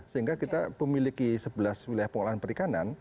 sehingga kita memiliki sebelas wilayah pengolahan perikanan